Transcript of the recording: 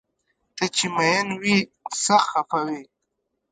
ته چې مین وي سخت خفه وي